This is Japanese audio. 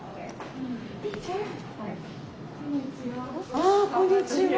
あこんにちは。